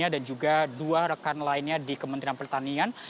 dan juga dua rekan lainnya di kementerian pertanian